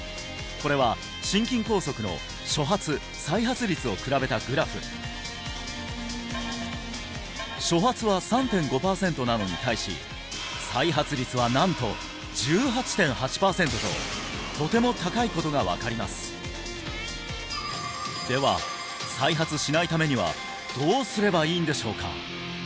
これは心筋梗塞の初発再発率を比べたグラフ初発は３．５パーセントなのに対し再発率はなんと１８．８パーセントととても高いことが分かりますでは再発しないためにはどうすればいいんでしょうか？